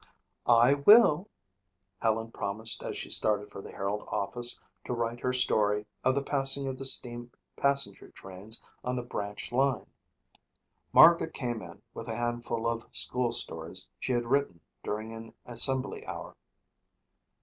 "I will," Helen promised as she started for the Herald office to write her story of the passing of the steam passenger trains on the branch line. Margaret came in with a handful of school stories she had written during an assembly hour.